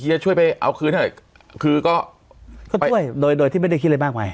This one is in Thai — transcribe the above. เฮียช่วยไปเอาคืนเถอะคือก็ก็ช่วยโดยโดยที่ไม่ได้คิดอะไรมากมาย